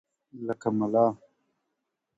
لكه ملا.